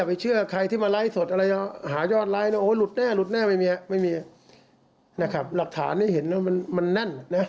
ติดคุกหมดไม่น่ารอเลยแต่ความเห็นผมนะ